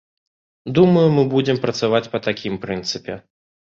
Думаю, мы будзем працаваць па такім прынцыпе.